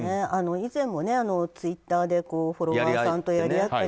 以前もツイッターでフォロワーさんとやり合ったり。